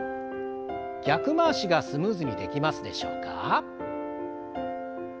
逆回しがスムーズにできますでしょうか？